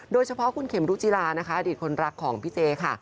โดยเฉพาะคุณเข็มรุจิลานะคะอดีตคนรักของพี่เจค่ะ